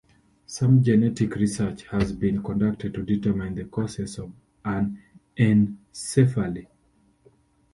Some genetic research has been conducted to determine the causes of anencephaly.